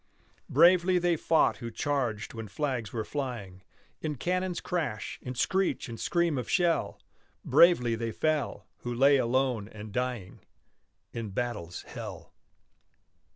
Bravely they fought who charged when flags were flying In cannon's crash, in screech and scream of shell; Bravely they fell, who lay alone and dying In battle's hell.